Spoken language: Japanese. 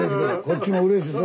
こっちもうれしい。